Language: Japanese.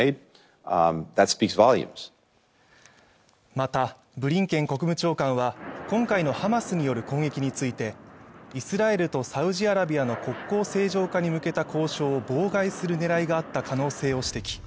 またブリンケン国務長官は今回のハマスによる攻撃についてイスラエルとサウジアラビアの国交正常化に向けた交渉を妨害する狙いがあった可能性を指摘